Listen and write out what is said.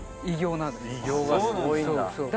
偉業がすごいんだ。